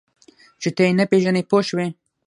چې ته یې نه پېژنې پوه شوې!.